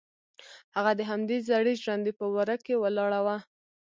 هغه د همدې زړې ژرندې په وره کې ولاړه وه.